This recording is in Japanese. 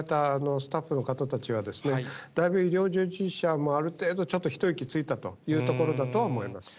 スタッフの方たちは、だいぶ医療従事者も、ある程度ちょっと一息ついたというところだと思います。